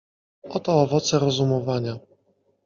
"Oto owoce rozumowania."